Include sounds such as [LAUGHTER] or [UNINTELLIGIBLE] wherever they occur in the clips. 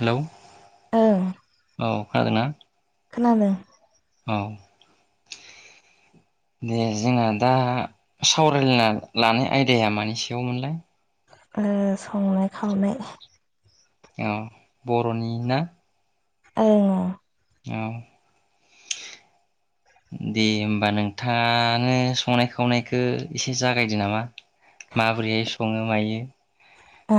हेल ओं औ खादोंना खोनादों औ दे जोंना दा सावरायना लानाय आयदाया मानि सयावमोनलाय ओ संनाय खावनाय औ बर'नि ना औ औ दे होमबा नोंथाङानो संनाय खावनायखौ एसे जागायदो नामा माबोरैहाय सङो मायो आ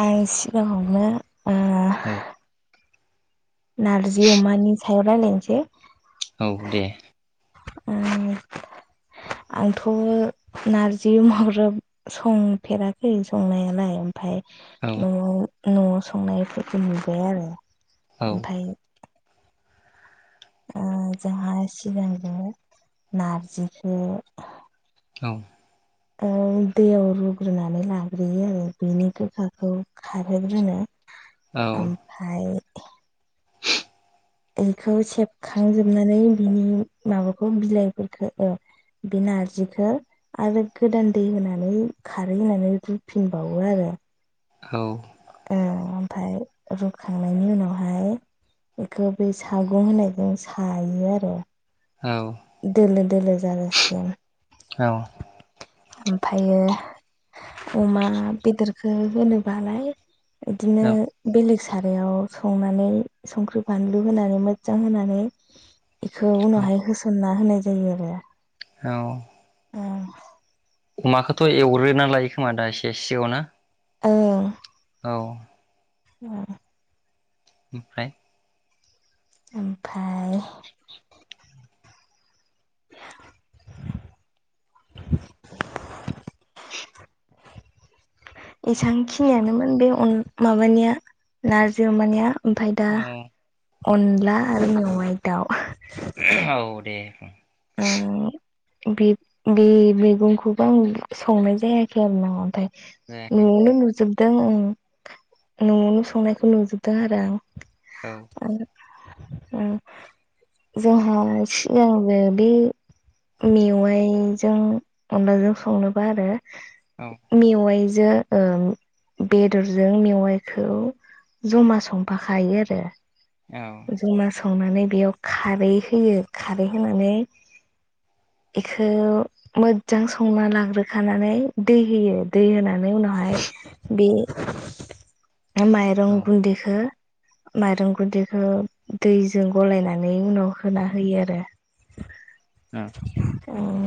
आं सिगाङावनो ओ औ नारजि अमानि सायाव रायलायनोसै औ दे ओ आंथ नारजि मग्रोब संफेराखै संनायालाय ओमफाय औ नआव नआव संनायफोरखौ नुबाय आरो औ ओमफाय ओ जोंहा सिगांबो नारजिखौ औ ओ दैयाव रुग्रोनानै लाग्रोयो आरो बिनि गोखाखौ खारहोग्रोनो औ ओमफ्र बेखौ सेबखांजोबनानै बिनि माबाखौ बिलाइफोरखौ ओ बे नारजिखौ आरो गोदान दै होनानै खारै होनानै रुफिनबावो आरो औ ओ ओमफ्राय रुखांनायनि उनावहाय बेखौ बे सागं होननायजों सायो आरो औ दोलो दोलो जाजासिम औ ओमफायोअमा बेदरखौ होनोबालाय बिदिनो बेलेग सारायाव संनानै संख्रि बानलु होनानै मोजां होनानै बेखौ उनावहाय होसनना होनाय जायो आरो औ ओं अमाखौथ एवग्रोना लायो खोमा दा एसे सेव ना? अ औ उम। ओमफ्राय? ओमफ्राय एसां खिनियानोमोन बे उम माबानिया नारजि अमानिया। ओमफ्राय दा औ अनला आरो मेवाइ दाउ। औ दे। [INAUDIBLE] उम बे बे बे मैगंखौबो आं संनाय जायाखै आरो ना ओमफ्राय। जायाखै ओ [UNINTELLIGIBLE] दों उम नयावनो संनायखौ नुजोबदों आरो आं। औ। उम। जोंहा सिगांग्रो बि मेवाइजों अनलाजों संनोबा आरो औ मेवाइ जो ओं बेदरजों मेवाइखौ जमा संफाखायो आरो औ जों [UNINTELLIGIBLE] संनानै बेयाव खारै होयो खारै होनानै बेखौ मोजां संना लाग्रोखानानै दै होयो दै होनानै उनावहाय बे ओमफ्राय माइरं औ गुन्दैखौ माइरं गुन्दैखौ दैजों गलायनानै उनाव होना होयो आरो। [INAUDIBLE] उम। उम।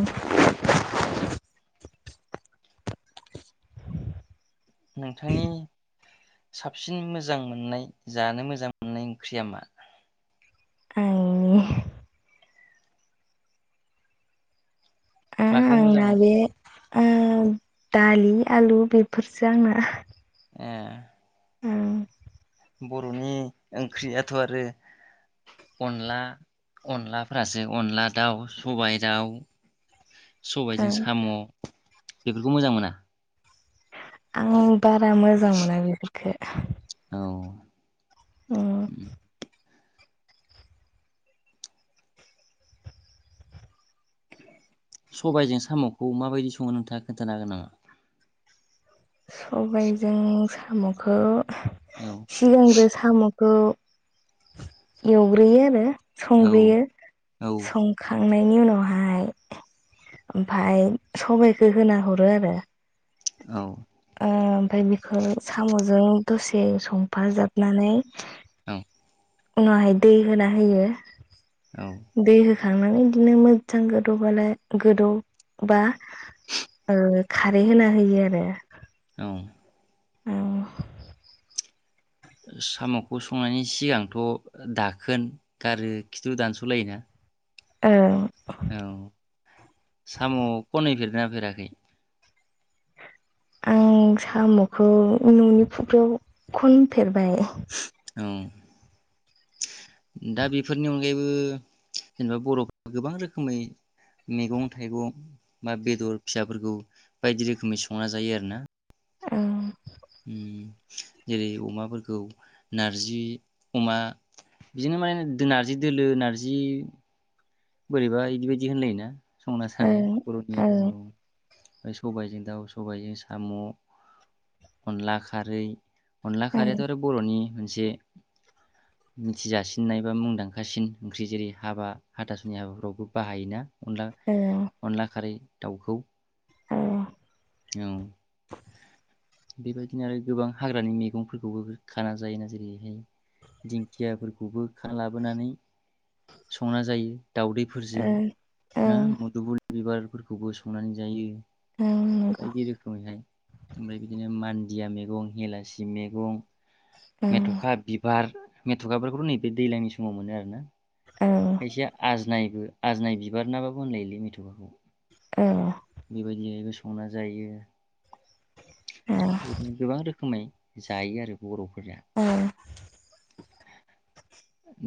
नोंथांनि साबसिन मोजां मोननाय जानो मोजां मोननाय ओंख्रिया मा? आंनि माखौ मोजां ओ दालि आलु बेफोरसो आंना। ए। उम। बर'नि ओंख्रियाथ' आरो अनला अनलाफ्रासो अनला दाउ, सबाय दाउ, सबायाइजों साम। बेफोरखौ मोजां मोना? आं बारा मोजां मोना बेफोरखो। उम्म सबायजों साम'खौ माबायदि सङो नोंथाङा खोन्थानो हागोन नामा? सबायजों साम'खौ औ सिगांग्रो साम' खौ एवग्रोयो आरो । औ संग्रोयो औ संखात संनायनि उनावहाय ओमफाय सबायखौ होना हरो आरो । औ औ ओमफ्राय बेखौ साम'जों दसे संफाजाबनानै ओं उनावहाय दै होना होयो औ । दै हो होखांनानै बिदिनो मोजां गोदौबोला गोदौबा ओ खारै होना होयो आरो । उम्म उम्म साम'खौ संनायनि सिगांथ' दाखोन गारो खिथु दानस'लायोना? ओं औ साम' खनै फेरदोना फेराखै? आं साम'खौ न'नि फुख्रियाव खनफेर बाय औ दा बेफोरनि अनगायैबो जेनेबा बर'फ गोबां रोखोमै मैगं थाइगं बा बेदर फिसाफोरखौ बायदि रोखोमै संना जायो आरोना । ओं उम्म जेरै अमाफोरखौ नार्जि अमा बिदिनो माने नार्जि दोलो नार्जि बोरैबा इदि बायदि होनलायोना । संना साराया ओं बर'निया ओं औ । सबायजों दाउ, सबायाइजों साम', अनला खारै । अनला ओं खारियाथ' आरो बर'नि मोनसे मोनसे मिथिजासिननाय बा मुंदांखासिन ओंख्रि । जेरै हाबा हाथासुनि हाबाफ्रावबो बाहायोना । अनला ओं अनला खारै । दाउखौ ओं औ बेबायदिनो आरो गोबां हाग्रानि मैगंफोरखौबो खाना जायोना, जेरैहाय दिंखियाफोरखौबो लाबोनानै संना जायो । दावदैफोरजों ओं ना ओं मुदुबुफुल बिबारफोरखौबो संनानै जायो । ओं नंगौ बायदि रोखोमैहाय ओमफ्राय बिदिनो मान दिया मेगं हेलासि मेगं ओं मेथ'खा बिबार मेथखाफोरखौथ' नैबे दैज्लांनि समाव मोनो आरो ना। ओं खायसे आजनाय बो आजनाय बिबार नाबाबो होनलायोलै मेथ'खाखौ। ओ बेबायदियैबो संना जायो। ओं [INAUDIBLE] बिदिनो गोबां रोखो खोमै जायो आरो बर' औ।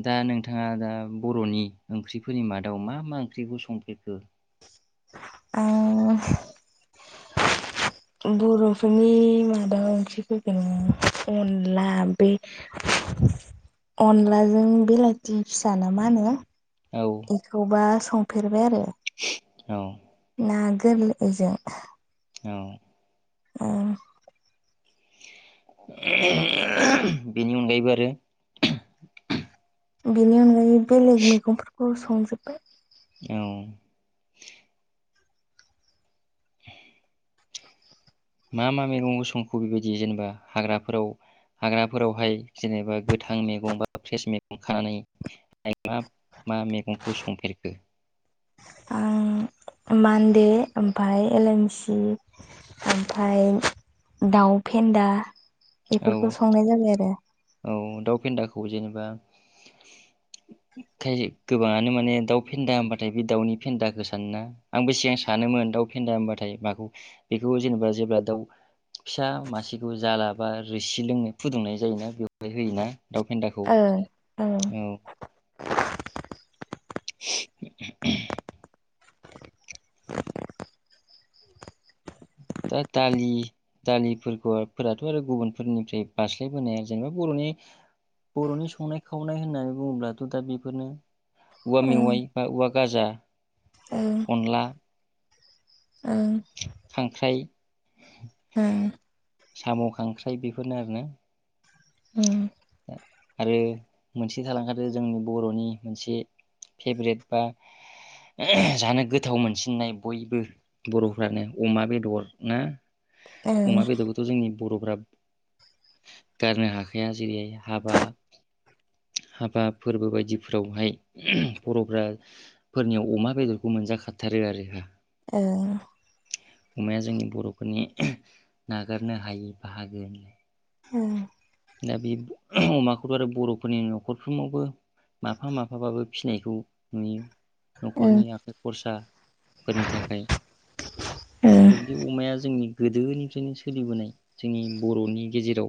दा नोंथाङा दा बर'नि ओंख्रिफोरनि मादाव मा मा ओंख्रिखौ संफेरखो? आं। बर'फोरनि मादाव ओंख्रिफोरखौ अनला बे अनलाजों बेलाथि फिसा ना मा होनो? औ एखौबा संफेरबाय आरो। [INAUDIBLE] औ। ना गोरलैजों औ ओं। [UNINTELLIGIBLE] बेनि अनगायैबो आरो? बिनि अनगायै बेलेग मैगंफोरखौ स संजोब्बाय। औ। [INAUDIBLE] मा मा मेगंखौ संखो बेबायदि जेनेबा हाग्राफोराव हाग्राफोरावहाय जेनेबा गोथां मेगं बा फ्रेस मेगं खानानै मा मा मेगंखौ संफेरखो? आं मान्दे, ओमफाय एलमसि, ओमफाय दाउ फेन्दा औ बेफोरखौ संनाय जाबाय आरो। औ दाउ फेन्दाखौ जेनेबा [INAUDIBLE] खाय- गोबाङानो माने दाउ फेन्दा होनबाथाय बे दाउनि फेन्दाखौ सानोना, आंबो सिगां सानोमोन दाउ फेन्दा होनबाथाय माखौ बेखौ जेनेबा जेब्ला दाउ फिसा मासेखौ जाला बा रोसि लोंनो फुदुंनाय जायोना बेव हाय होयोना? दाउ फेन्दाखौ। ओं ओं औ। [UNINTELLIGIBLE] दा दालि दालिफोरखौफोराथ' आरो गुबुनफोरनिफ्राय बारस्लायबोनाया जेनेबा बर'नि बर'नि संनाय खावनाय होननानै बुङोब्लाथ' दा बेफोरनो उवा ओं मेवाय बा उवा गाजा ओं [INAUDIBLE] अनला ओं खांख्राइ हो साम' खांख्राइ बेफोरनो आरोना ओं आरो मोनसे थालांखादो जोंनि बर'नि मोनसे फेभरेट बा ओ जानो गोथाव मोनसिननाय बयबो बर'फ्रानो अमा बेदर ना। ओं अमा बेदरखौथ' जोंनि बर'फ्रा गारनो हाखाया जेरैहाय हाबा हाबा फोरबो बायदिफोरावहाय बर'फ्रा फोरनियाव अमा बेदरखौ मोनजाखाथारो आरो [UNINTELLIGIBLE] अमाया जोंनि बर'फोरनि नागारनो हायि बाहागो। हुम दा बे अमाखौथ' आरो बर'फोरनि न'खरफ्रोमावबो माफा माफाबाबो फिसिनायखौ नुयो। ओं ओं न'खरनि आखाइ खरसा फोरनि थाखाय। ओं आरो बे अमाया जोंनि गोदोनिफ्रायनो सोलिबोनाय जोंनि बर'नि गेजेराव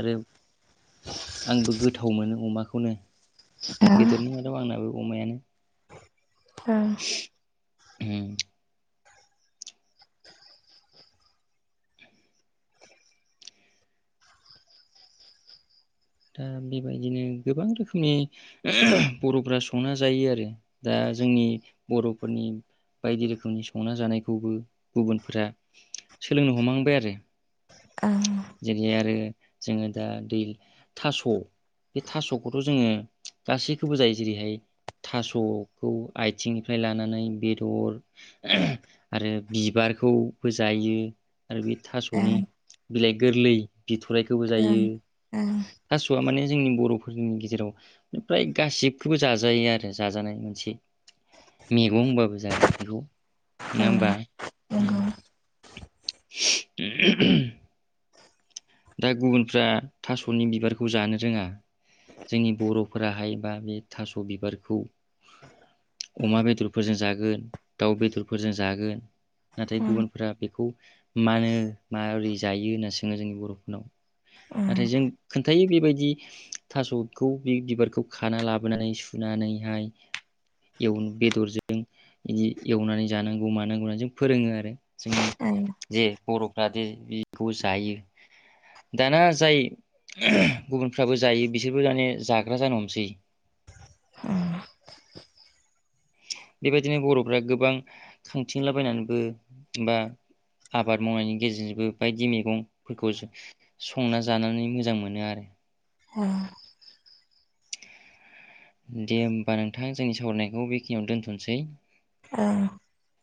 आरो आंबो गोथाव मोनो अमाखौनो। आ बेदरनि मादाव आंनाबो अमायानो ओं हुम दा बेबायदिनो गोबां रोखोमनि बर'फोरा संना जायो आरो दा जोंनि बर'फोरनि बायदि रोखोमनि संना जानायखौबो गुबुनफोरा सोलोंनो हमहांबाय आरो ओं जेरैहाय आरो जोङो दा दै थास' बे थास'खौथ' जोङो गासैखौबो जायो जेरैहाय थास'खौ आथिंनिफ्राय लानानै बेदर आरो बिबारखौबो जायो। आरो बे थास'नि ओं बिलाइ गोरलै बिथ'रायखौबो जायो ओं ओं थास'आ माने जोंनि बर'फोरनि गेजेराव फ्राय गासिबखौबो जाजायो आरो जाजानाय मोनसे मैगं होनबाबो जागोन बेखौ नङा ओं होमबा। नंगौ दा गुबुनफ्रा थास'नि बिबारखौ जानो रोङा जोंनि बर'फोराहाय बा बे थास' बिबारखौ अमा बेदरफोरजों जागोन दाउ बेदरफोरजों जागोन नाथाय ओं गुबुनफोरा बेखौ मानो माबोरै जायो होनना सोङो जोंनि बर'फोर नाव ओं नाथाय जों खोन्थायो बेबायदि थास'खौ बे बिबारखौ खाना लाबोनानै सुनानैहाय एव बेदरजों बिदि एवनानै जानांगौ मानांगौ होननानै जों फोरोङो आरो जोंनि ओं जे बर'फ्रा जे बेखौ जायो। दाना जाय गुबुनफ्राबो जायो बिसोरबो माने जाग्रा जानो हमसै। बेबायदिनो बर'फ्रा गोबां खांथिंलाबायनानैबो बा आबाद मावनायनि गेजेरजोंबो बायदि मैगंफोरखौ संना जानानै मोजां मोनो आरो अ दे होमबा नोंथां जोंनि सावरायनायखौ बेखिनियाव दोनथ'नोसै। औ